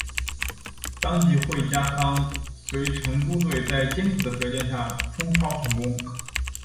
当季惠家康随成都队在艰苦的条件下冲超成功。